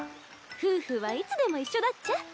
夫婦はいつでも一緒だっちゃ。